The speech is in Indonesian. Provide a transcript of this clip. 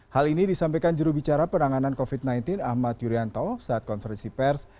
hal ini disampaikan jurubicara penanganan covid sembilan belas ahmad yuryanto saat konferensi pers